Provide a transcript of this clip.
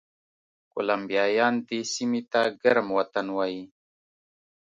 کولمبیایان دې سیمې ته ګرم وطن وایي.